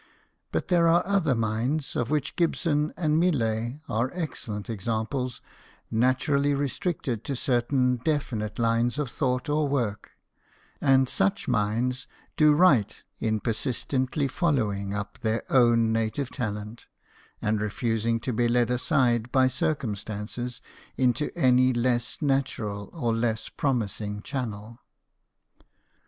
But there are other minds, of which Gibson and Millet are excellent examples, naturally restricted to certain definite lines of thought or work ; and such minds do right in persistently following up their own native talent, and refusing to be led aside by circumstances into any less natural or less promising channel.